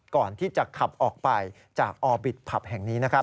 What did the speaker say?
ก่อนที่จะขับออกไปจากอบิตผับแห่งนี้นะครับ